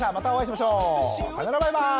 さよならバイバーイ。